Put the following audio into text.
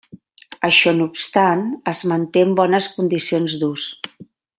Això no obstant, es manté en bones condicions d'ús.